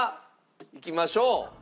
いきましょう。